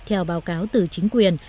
theo báo cáo từ chính quyền